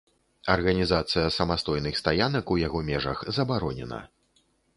Арганізацыя самастойных стаянак у яго межах забаронена.